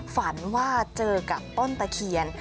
ฝันว่าเจอกับต้นตะเคียน